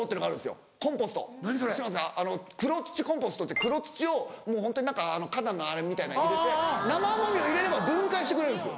黒土コンポストって黒土を花壇のあれみたいな入れて生ゴミを入れれば分解してくれるんです。